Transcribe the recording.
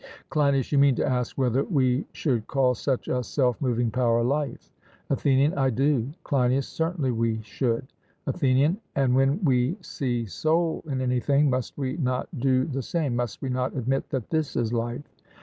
CLEINIAS: You mean to ask whether we should call such a self moving power life? ATHENIAN: I do. CLEINIAS: Certainly we should. ATHENIAN: And when we see soul in anything, must we not do the same must we not admit that this is life?